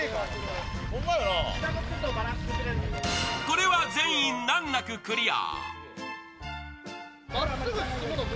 これは全員、難なくクリア。